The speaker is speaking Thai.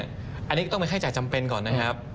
อันนี้ก็ต้องเป็นค่าจ่ายจำเป็นก่อนนะครับ